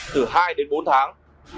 từ hai đến bốn tháng